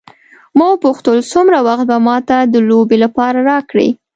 ما وپوښتل څومره وخت به ما ته د لوبې لپاره راکړې.